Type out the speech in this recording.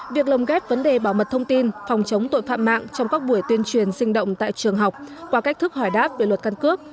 việc lồng ghép vấn đề bảo mật thông tin phòng chống tội phạm mạng trong các buổi tuyên truyền sinh động tại trường học qua cách thức hỏi đáp về luật căn cước